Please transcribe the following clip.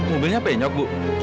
mobilnya penyok bu